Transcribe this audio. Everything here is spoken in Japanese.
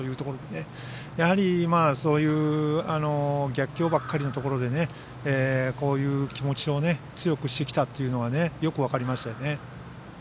やはり、そういう逆境ばかりのところでこういう気持ちを強くしてきたというのがよく分かりましたよね。